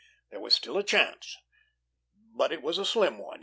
There was still a chance. But it was a slim one.